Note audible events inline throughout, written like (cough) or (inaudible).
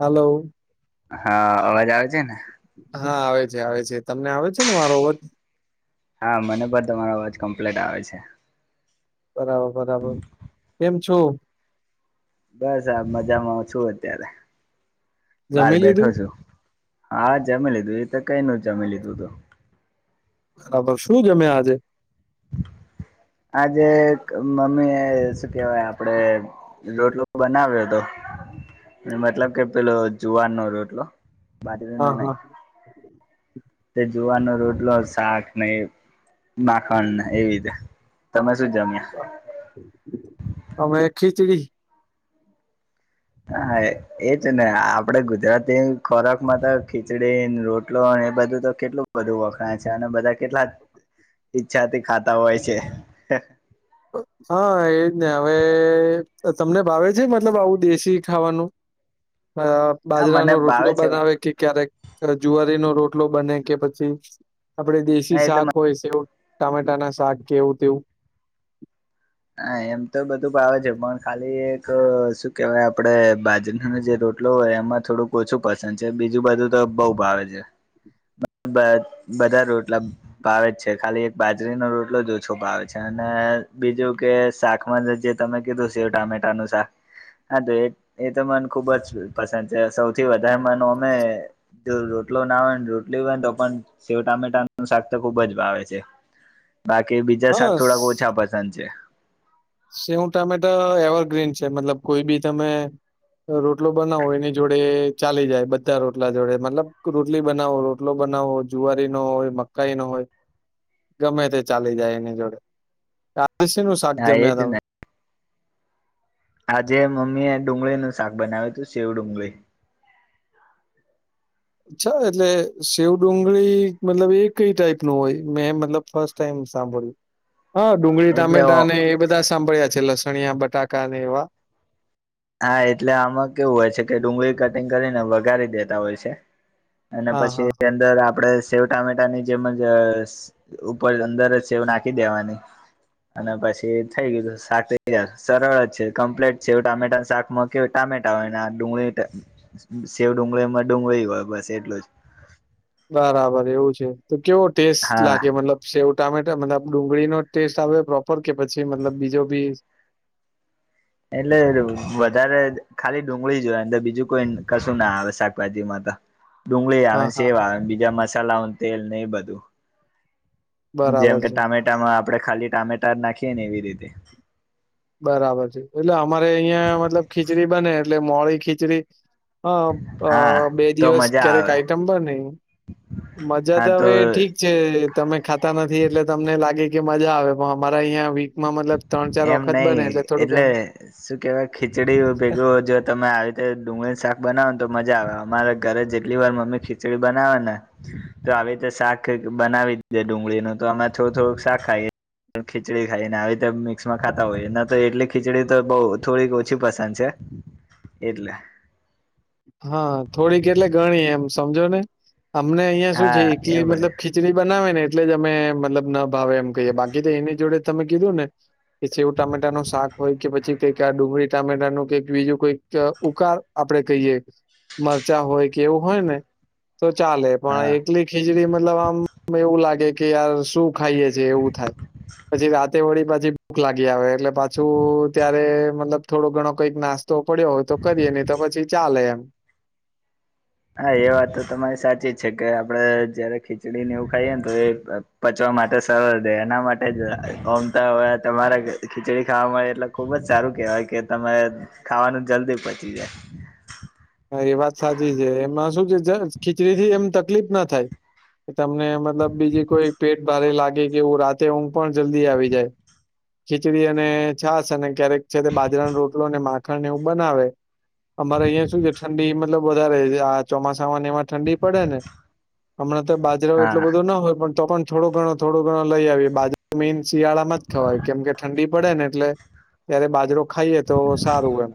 Hello. હા આ--અવાજ આવે છે ને? હા. આવે છે આવે છે, તમને આવે છે ને મારો અવાજ? હા. મને પણ તમારો અવાજ કમ્પ્લીટ આવે છે. બરાબર બરાબર. કેમ છો? બસ આમ મજામાં છું અત્યારે. બાર જમી બેઠો લીધું છું. હા જમી લીધું. એ તો કઈ નું જમી લીધું હતું. (unintelligible) બરાબર. શું જમ્યા આજે? આજે એક મમ્મી એ શું કેહેવાય આપડે રોટલો બનાવ્યો હતો. મતલબ કે પેલો જુવાર નો રોટલો. (unintelligible) બાજર. હા નો નહી. હા તે જુવારનો રોટલો શાક ને એ માખણને એવી રીતે. તમે શું જમ્યા? હ અમે ખિચડી. હા. એ. એ જ ને આપડે ગુજરાતી ખોરાકમાં તો ખીચડીને, રોટલોને એ બધું તો કેટલું બધું વખણાય છે. અને બધા કેટલા ઈચ્છાથી ખાતા હોય છે. હા, એજ ને હવે તમને ભાવે છે મતલબ આવું દેશી ખાવાનું? હા હા મને બાજરાનો રોટલો ભાવે છે બનાવે કે ક્યારેક જુવારીનો રોટલો બને કે પછી આપડે દેશી એટલે શાક હોય સેવ ટામેટાના શાક કે એવું તેવું હા એમ તો બધું ભાવે છે, પણ ખાલી એક શુ્ કેવાય આપડે બાજરનો જે રોટલો હોય, એમાં થોડુંક ઓછું પસંદ છે. બીજું બધું તો બઉ ભાવે છે. બધા રોટલા ભાવે જ છે, ખાલી એક બાજરીનો રોટલો જ ઓછો ભાવે છે. અને બીજું કે શાકમાં જે તમે કીધું સેવ ટામેટાનું શાક હા તો એ એ તો મન ખુબ જ પસંદ છે. સૌથી વધારે મનું અમે જો રોટલો ના હોય ને રોટલી હોય ને તો પણ સેવ ટામેટાનું શાક તો ખુબ જ ભાવે છે. (inaudible) બાકી બીજા શાક હા થોડાક ઓછા પસંદ છે. સેઉ ટામેટા એવરગ્રીન છે. મતલબ કોઈ બી તમે રોટલો બનાવો એની જોડે ચાલી જાય બધા રોટલા જોડે મતલબ રોટલી બનાવો રો ટલો બનાવો જુવારીનો હોય મકાનો હોય ગમે તે ચાલી જાય એની જોડે (unintelligible) હા એજ તમે ને આજે મમ્મી એ ડુંગળીનું શાક બનાવ્યું હતું શેવ ડુંગળી અચ્છા એટલે શેવડુંગળી મતલબ એ કઈ ટાઈપનું હોય? મેં મતલબ ફર્સ્ટ ટાઈમ સાંભળ્યું. હા ડુંગળી એટલે ટામેટા અને એ બધા સાંભળ્યા છે લસણિયા બટાકાને એવા હા એટલે આમાં કેવું હોય છે કે ડુંગળી કટિંગ કરીને વગારી દેતા હોય છે. અને હા પછી હા હા એઅંદર આપડે જ સેવ ટામેટાની જેમ જ ઉપર અંદર જ સેવ નાખી દેવાની અને પછી થઈ ગયું શાક સરળ જ છે કમ્પ્લેટ છે શેવ ટામેટા શાકમાં કેવું ટામેટા હોય ને આ ડુંગળી શેવ ડુંગળીમાં ડુંગળી હોય બસ એટલું જ બરાબર એવું છે. તો કેવો ટેસ્ટ હા લાગે મતલબ? સેવ ટામેટા મતલબ ડુંગળીનો ટેસ્ટ આવે પ્રોપર કે પછી મતલબ બીજો બી? એટલે વધારે ખાલી ડુંગળી જ હોય એટલે બીજું કોઈ કશું ના આવે શાકભાજીમાં ત ડુંગળી આવે હા ને હા સેવ હા આવે બીજા મસાલાઓ તેલ ને એ બધું જેમ બરાબર કે છે ટામેટામાં આપડે ખાલી ટામેટા જ નાખીએ ને એવી રીતે બરાબર છે એટલે અમારે અયાં મતલબ ખીચડી બને એટલે મોળી ખીચડી હ હા બે તો દિવસ મજા ક્યારેક આવે આઈટમ બને મજા તો હવે ઠીક કે તમે ખાતા નથી એટલે તમને લાગે કે મજા આવે પણ અમારા અયા બી માં મતલબ ત્રણ ચાર વખ નઈ એટલે શું કેવાય ખીચડી ભેગું જો તમે આવી રીતે ડુંગળીનું શાક બનાવો ને તો મજા આવે અમારે ઘરે જેટલી વાર મમ્મી ખીચડી બનાવે ને તો આવી તો શાક બનાવી દે ડુંગળીનું તો આમાં થોડું થોડુંક શાક ખાઈ ખીચડી ખાઈ ને આવી મિક્સમાં ખાતા હોય ન તો એટલી ખીચડી તો બહું થોડીક ઓછી પસંદ છે. એટલે હા થોડીક એટલે ઘણી એમ સમજો ને અમને અહિયાં શું છે હા એ એકલી બધું મતલબ ખી ખીચડી બનાવે ને એટલે જ અમે મતલબ ના ભાવે એમ કહીયે બાકી તો એની જોડે તમે કીધું ને કે એ સેવ ટામેટા નું શાક હોય કે પછી કંઈક ડુંગળી ટામેટા નું કંઈક બીજું કંઈક ઉકાર આપડે કહીએ મરચાં હોય કે એવું હોય ને. તો ચાલે પણ હા એકલી ખીચડી મતલબ આમ એવું લાગે કે યાર શું. ખાઈએ છીએ એવું થાય પછી રાતે વળી પછી ભૂખ લાગી આવે પાછું ત્યારે મતલબ થોડો ઘણો કંઈક નાસ્તો પડ્યો હોય તો કરીએ નહી તો પછી ચાલે એમ હા એ વાત તો તમારી સાચી જ છે કે આપડે જયારે ખીચડીને એવું ખાઈએ ને તો એ પચવા માટે સરળ રે એના માટે જ‌ઓમતાં હોય તમારે ખીચડી ખાવા મળે એટલે. ખુબ જ સારું કેહેવાય કે તમે ખાવાનું જલ્દી પચી જાય. હા એ વાત સાચી છે એમાં શું છે ખીચડી થી એમ તકલીફ ના થાય. કે તમને મતલબ બીજી કોઈ પેટ ભારે લાગે. તેથી રાતે ઊંઘ પણ જલ્દી આવી જાય ખીચડી અને છાસ અને ક્યારેક છેનેબાજરા રોટલો ને માખણ ને એવું બનાવે અમારે અહિયાં શું છે ઠંડી મતલબ વધારે આ ચોમાસામાં ને એમાં ઠંડી પડે ને હમણાં તો બાજરો એટલું હા બધો ના હોય પણ તો પણ થોડો ઘણો થોણો ઘણો લઈ આવીએ (unintelligible) મેન શિયાળામાં જ ખવાય કેમ કે. ઠંડી પડે ને એટલે ત્યારે બાજરો ખાઈએ તો સારું એમ.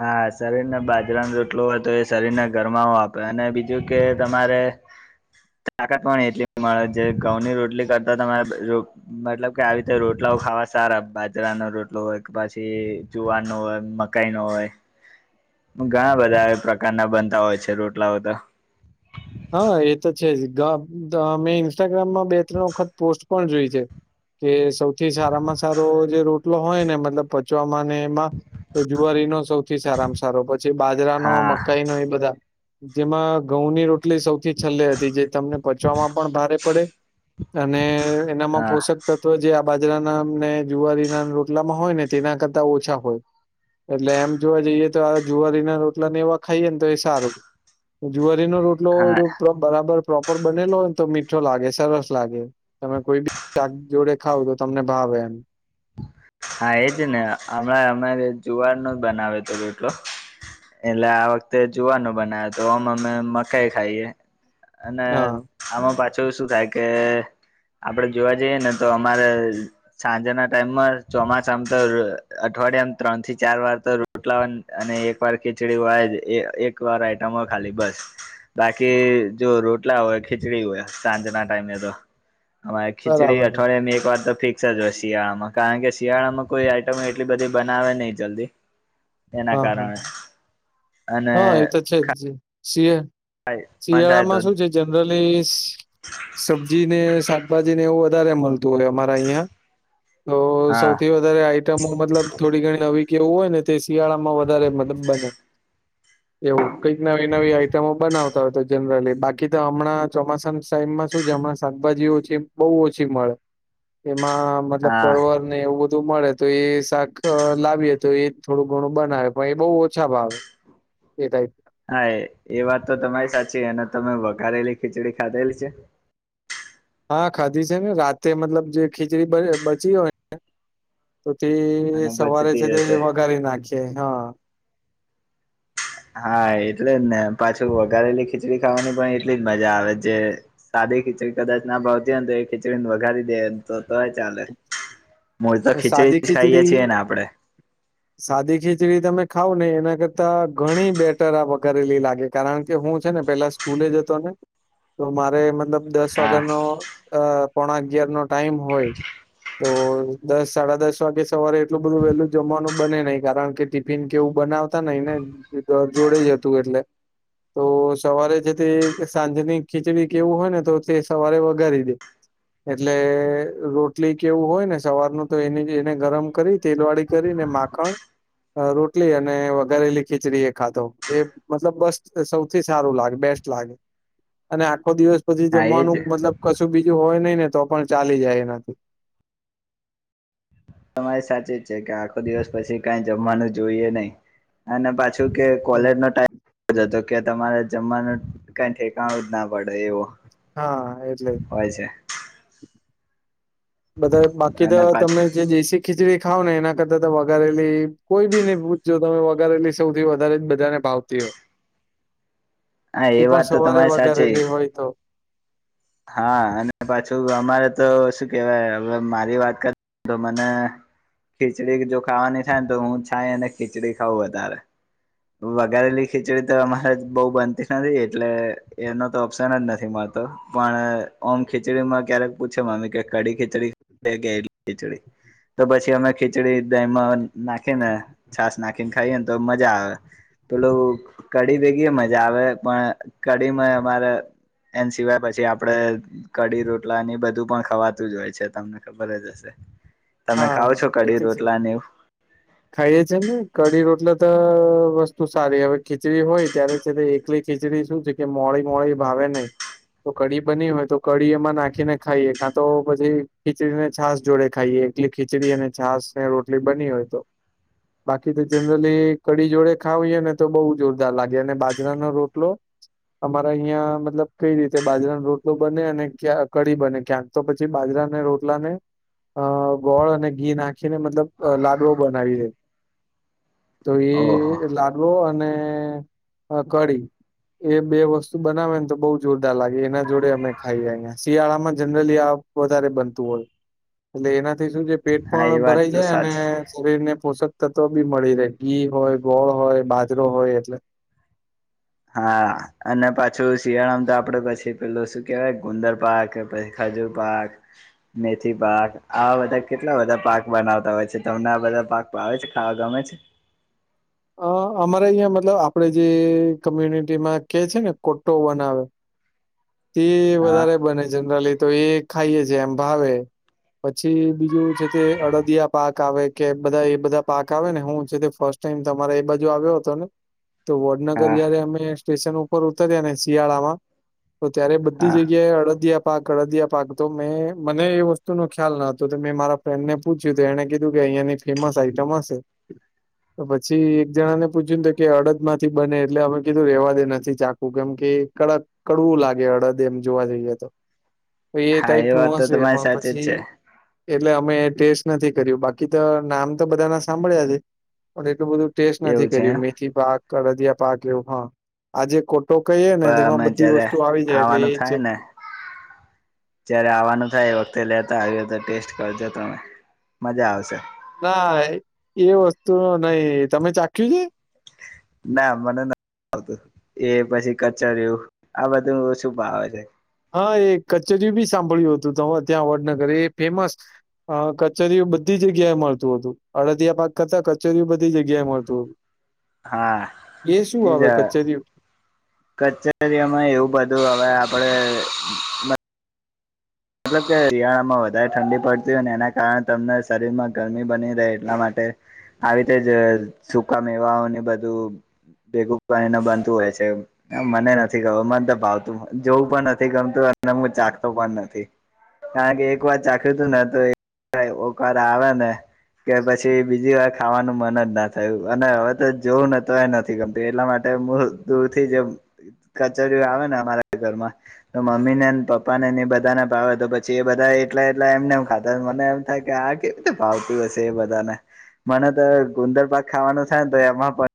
હા શરીરને બાજરાનું રોટલો હોય તો એ શરીરને ગરમાવું આપે. અને બીજું કે તમારે તાકાત પણ એટલી મળે. જેવી ઘઉંની રોટલી કરતાં તમારે. મતલબ કે આવી રીતે રોટલાઓ ખાવા સારા બાજરાના રોટલો હોય કે પછી જુવાર નો હોય કાઈ નો હોય. ઘણાં બધાં આ પ્રકારનાં બનતાં હોય છે રોટલાઓ તો. હા એ તો છે જ મે ઇન્સ્ટાગ્રામમાં બે ત્રણ વખત પોસ્ટ. પણ જોઈ છે. કે સૌથી સારામાં સારો જે રોટલો હોય ને મતલબ પચવામાંને માં તો જુવારીનો સૌથી સારામાં સારો પછી બાજરાનો હા મકાઈનો એ બધાં જેમાં ઘઉંની રોટલી સૌથી છેલ્લે હતી જે તમને પચવામાં પણ ભારે પડે અને એનામાં હા પોષક ત તો જે આ બાજરા નાને જુવારીના રોટલામાં હોય ને તેનાં કરતાં ઓછા હોય. એટલે એમ‌ જોવા જઈએ તો આ જુવારીના રોટલા ને એવા ખાઈએ ને તો એ સારું. જુવારીનો રોટલો હા જો બરાબર પ્રોપર બનેલો હોય ને તો મીઠો લાગે સરસ લાગે. તમે કોઈબી શાક જોડે ખાવ તો તમને ભાવે એમ. હા એ જ ને અમણાં અમારે જુવારનો જ બનાવેયોતો રોટલો એટલે આ વખતે જુવારનો બનાવે તો આમ અમે મકાઈ ખાઈએ. અને હા આમાં પાછો શું થાય કે. આપડે જોવા જઈએ ને તો અમારે સાંજનાં ટાઈમમાંજ. ચોમાસામતો અઠવાડિયામાં ત્રણ થી ચાર વાર તો રોટલા અંને. પર ખીચડી હોય જ એક વાર આઈટમ હોય ખાલી બસ. બાકી જો રોટલા હોય ખીચડી હોય સાંજના ટાઈમે તો. અમારે ખીચડી બરાબર છે. અઠવાડિયામાં એક વાર તો ફિક્સ જ હોય શિયાળમાં. કારણ કે શિયાળામાં કોઈ આઈટમો એટલી બંધી બનાવે નઈ જલ્દી. એના હા હા કારણે. અને જે જે શિ ખાય મન થાય તો શિયાળામાં શું છે જનરલી. સબ્જી ને શાકભાજી ને એવું વધારે મળતું હોય અમારે અહિંયા. તો હા સૌથી વધારે આઈટમો મતલબ થોડી ઘણી નવી કે એવું હોય ને તે શિયાળામાં વધારે મતલબ બને. એવું કંઈક નવી નવી આઈટમો બનાવતા હોય તો જનરલી બાકી તો અમણાં ચોમાસાના ટાઈમમાં શું છે અમણા શાકભાજી ઓછી બોઉ ઓછી મળે એમાં મતલબ હા પરવર ને એવું બધું મળે તો એ શાક લાવીએ તો એ થોડું ઘણું બનાવે પણ એ બોઉ ઓછા ભાવે (unintelligible) હા એ એ વાત તો તમારી સાચી અને તમે વઘારેલી ખીચડી ખાધેલી છે? હા ખાધી છે ને રાતે મતલબ જે ખીચડી બરી બચી હોય ને તો તે એ અને સવારે છે બચતી તે જશે વઘારી નાખીએ હા હા એટલે જ ને પાછું વઘારેેલી ખીચડી ખાવાની પણ એટલી જ મજા આવે જે સાદી ખીચડી કદાચ ના ભાવતી હોય ને તો એ ખીચડીને વઘારી દે તો તોય ચાલે. મોજ (unintelligible) ખીચડી સાદી જ ખાઈએ ખીચડી છે ને આપડે. સાદી ખીચડી તમે ખાવ ને એના કરતા ઘણી બેટર આ વઘારેલી લાગે. કારણ કે હું છે ને પેલા સ્કૂલે જતો ને તો મારે મતલબ દસ હા વાગ્યાનો અહ પોણા અગિયાર નો ટાઈમ હોય. તો ઈ દસ સાડા દસ વાગે સવારે એટલું બધું વેલું જમવાનું બને નઈ કારણ કે ટિફિન કેવું બનાવતા નહીં ને. તે ઘર જોડે જ હતું એટલે તો સવારે જે તે સાંજની ખીચડી કે એવું હોય ને તો તે સવારે વઘારી દેય. એટલે રોટલી કે એવું હોય ને સવારનું તો એની એને ગરમ કરી તેલવાડી કરીને માખણ અહ રોટલી અને વઘારેલી ખીચડી એ ખાતો એ મતલબ બસ્ટ સૌથી સારું લાગે બેસ્ટ. લાગે અને આખો દિવસ પછી હા એજ જમવાનું મતલબ કશું બીજું હોય નઈ ને તો પણ ચાલી જાય એનાથી તમારી સાચી છે કે આખો દિવસ પછી કઈ જોઈએ નહી અને પાછુ તો કે હમ કોલેજ નો ટાઈમ જતો કે તમારે જમવાનું કઈ ઠેકાણું જ ના પડે એવો હા એટલે હોય છે. બધા બાકી તો અને પાછ તમે જે દેશી ખીચડી ખાવ ને એના કરતા તો વઘારેલી કોઈ બી ને પૂછજો તમે વધારેલી સૌથી વધારે જ ભાવ તી હોય હા તે એ પણ વાત તો સવારે તમારી સાચી વઘારેલી હોય તો. હા અને પાછું અમારે તો શું કેવાય હવે મારી વાત કર તો મને ખીચડી કે જો ખાવાની થાય ને તો હું છાયને ખીચડી ખાવ વધારે વઘારેલી ખીચડી અમારે બઉ બન તી નથી એટલે એનો તો ઓપ્શન જ નથી મળતો. પણ ઓમ ખીચડી માં ક્યારેક પૂછે મમ્મી કે કડી ખીચડી કે (unintelligible) ખીચડી તો પછી અમે ખીચડી દહીમાં નાખી ને છાસ નાખીને ખાઈએને તો મજા આવે. પેલુ કઢી ભેગી એ મજા આવે પણ કઢીમાં ઈ અમારે એન સિવાય પછી આપડે કડી રોટલાને એ બધું પણ ખાવાતું જ હોય છે તમને ખબર જ હશે. તમે હા ખાવ છો એ કડી તો છે રોટલા ને એવું? ખાઈએ છે ને કઢી રોટલે તો વસ્તુ સારી હવે ખીચડી હોય ત્યારે છેતે એકલી ખીચડી શું છે કે મોડી મોડી ભાવે નય. તો કઢી બની હોય તો કઢી એમાં નાખીને ખાઈએ કાં તો પછી ખીચડીને છાસ જોડે ખાઈએ. એટલી ખીચડી અને છાસ ને રોટલી બની હોય તો બાકી તો જનરલી કડી જોડે ખાવીએ ને તો બહુ જોરદાર લાગે અને બાજરાનો રોટલો અમારા અહિયાં મતલબ કઈ રીતે બાજરા નો રોટલો બને અને ક્યા કઢી બને ક્યાંક. તો પછી બાજરાને રોટલાને અ ગોળ અને ઘી નાખીને મતલબ લાડવો બનાવી એ. તો એ ઓહો લા ડવો અને કઢી એ બે વસ્તુ બનાવે ને તો બઉ જોરદાર લાગે, એના જોડે અમે ખાઈએં. શિયાળામાં જનરલી આ વધારે બનતું હોય એટલે એનાથી શું છે પેટ હા એ પણ વાત ભરાઈ તો જાય અને સાચી શરીર ને પોષક તત્વ બી મળી રહે, ઘી હોય, ગોળ હોય, બાજરો હોય એટલે. હા અને પાછું શિયાળામાં તો આપડે પછી પેલુ શું કેવાય ગુંદર પાક પહિ ખજૂરપાક મેથી પાક આવા બધા કેટલા બધા પાક બનાવતા હોય છે તમને આ બધા પાક ભાવે છે, ખાવા ગમે છે? અ અમારે અહંયા મતલબ આપડે જે કમ્યુનિટી માં કે છે ને કો્ટો બનાવે તે હા વધારે બને જનરલી તો એ ખાઈએ છે એમ ભાવે. પછી બીજું છે તે અડદિયા પાક આવે કે બધા એ બધા પાક આવે ને હું છે તે ફર્સ્ટ ટાઈમ તમારે એ બાજુ આવ્યો હતો ને તો વડનગર હા જયારે અમે સ્ટેશન ઉપર ઉતર્યા ને શિયાળામાં તો ત્યારે બધી હા જગ્યાએ અડદિયા પાક અડદિયા પાક તો મેં મને એ વસ્તુ નો ખ્યાલ ન હતો તો મેં મારા ફ્રેન્ડ ને પૂછ્યું તો એને કીધું કે અહંયાની ફેમસ આઈટમ હશે. તો પછી એક જણા ને પૂછ્યું કે અડદ માંથી બને એટલે અમે કીધું રેવા દે નથી ચાકુું કેમ કે કડક કડવું લાગે અડદ એમ જોવા જઈએ તો. તો એ હા ટાઈપનું વાત તો હશે તમારી પણ સાચી જ પછી છે એટલે અમે ટેસ્ટ નથી કર્યું બાકી તો નામ તો બધા ના સાંભળ્યા છે. પણ એટલું બધું ટેસ્ટ નથી એવું છે કર્યું એમ મેથીપાક, અડદિયા પાક એવું હ આજે કોટ તો કહીએે ને પણ તેમાં અમે બધી જયારે વસ્તુ આવી જાય એટલે આવવાનું એ થાય જે ને જયારે આવાનું થાય એ વખતે લેતા આવ્યો તો ટેસ્ટ કરજો તમે મજા આવશે. ના એવુ વસ્તુ નઈ, તમે ચાખ્યું છે? ના મને નથી ભાવતું એ પછી કચરું આ બધું શું ભાવે છે. હા એ કચરિયું બી સાંભળ્યું હતું ત તમે ત્યાં વડનગર એ ફેમસ હ કચરિયું બધી જગ્યાએ મળતું હતું, અડદિયા પાક કરતા કચરિયું બધી જગ્યાએ મળતું. હા એ શું આવે કચરિયું? કચરીયામાં એવું બધું હવે આપડે મતલબ કે શિયાળામાં વધારે ઠંડી પડતી હોય ને એના કારણે તમને શરીરમાં ગરમી બની રહે એટલા માટે આવી રીતે જ સુકા મેવાઓને બધું ભેગું બનીને બનતું હોય છે. મને નથી ખબર મને તો ભાવતું જોવું પણ નથી ગમતું અને હું ચાખતો પણ નથી. કારણ કે એક વાર ચાખ્યું હતું ને તો ઓકાર આવે ને કે પછી બીજી વાર ખાવાનું મન જ ના થયું અને હવે તો જોવું ન તો એય નથી ગમતું એટલા માટ ટે દૂરથી એમ કચરિયું આવેને અમારા ઘરમાં તો મમ્મીને પપ્પા નેને એ બધાને ભાવે તો પછી એ બધા એટલા એટલા એમને એમ ખાતા મને એમ થાય કે આ કેવી રીતે ભાવતું હશે એ બધા ને. મને તો ગુંદર પાક ખાવાનો થાય ને તો એમાં પણ